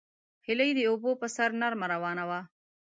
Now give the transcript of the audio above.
هیلۍ د اوبو پر سر نرمه روانه وي